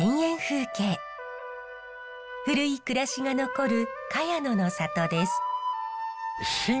古い暮らしが残る萱野の里です。